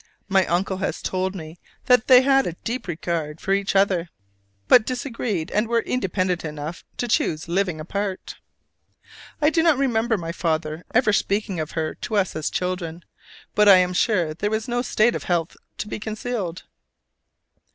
My uncle has told me they had a deep regard for each other: but disagreed, and were independent enough to choose living apart. I do not remember my father ever speaking of her to us as children: but I am sure there was no state of health to be concealed.